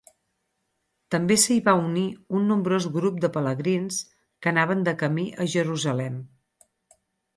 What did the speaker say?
També s'hi va unir un nombrós grup de pelegrins que anaven de camí a Jerusalem.